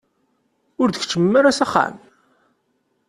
Ur d-tkeččmem ara s axxam?